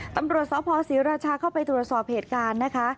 ตำรวจสภศรีราชาเข้าไปตรวจสอบเหตุการณ์นะคะ